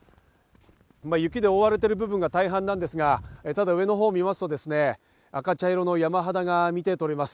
雪で覆われている部分が大半なんですが、上の方を見ますと赤茶色の山肌が見て取れます。